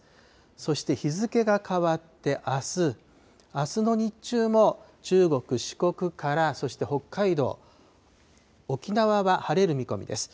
そして日付が変わってあす、あすの日中も中国、四国から、そして北海道、沖縄は晴れる見込みです。